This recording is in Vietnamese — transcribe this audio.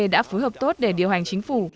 đã phối hợp tốt để điều hành chính phủ